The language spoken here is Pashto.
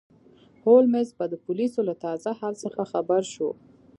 هولمز به د پولیسو له تازه حال څخه خبر شو.